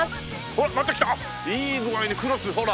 あっいい具合にクロスほら！